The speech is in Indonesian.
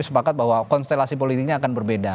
sepakat bahwa konstelasi politiknya akan berbeda